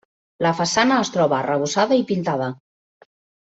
La façana es troba arrebossada i pintada.